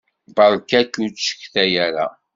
Beṛka-k ur ttcetkay ara!